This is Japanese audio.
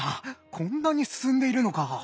こんなに進んでいるのか。